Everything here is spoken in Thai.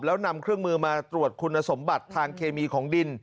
แล้วนำเครื่องมือมาตรวจคุณสมบัติทางเคมีของดิน